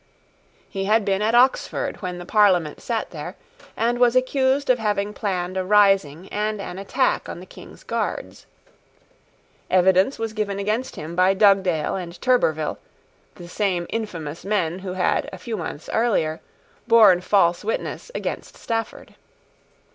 He had been at Oxford when the Parliament sate there, and was accused of having planned a rising and an attack on the King's guards. Evidence was given against him by Dugdale and Turberville, the same infamous men who had, a few months earlier, borne false witness against Stafford.